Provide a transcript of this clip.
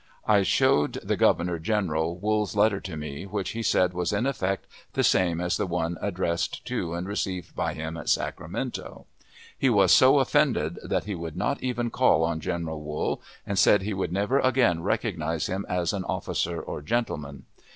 I showed the Governor General Wool's letter to me, which he said was in effect the same as the one addressed to and received by him at Sacramento. He was so offended that he would not even call on General Wool, and said he would never again recognize him as an officer or gentleman.